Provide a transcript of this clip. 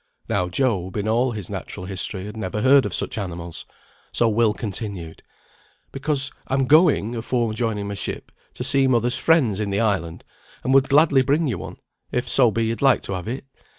Now Job, in all his natural history, had never heard of such animals; so Will continued, "Because I'm going, afore joining my ship, to see mother's friends in the island, and would gladly bring you one, if so be you'd like to have it.